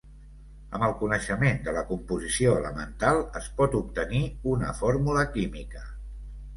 Amb el coneixement de la composició elemental es pot obtenir una fórmula química.